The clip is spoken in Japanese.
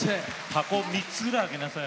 箱３つぐらいあげなさい。